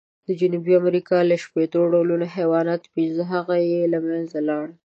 د جنوبي امریکا له شپېتو ډولو حیواناتو، پینځه هغه یې له منځه لاړل.